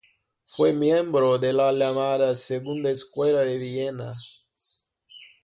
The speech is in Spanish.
Fue miembro de la llamada Segunda Escuela de Viena.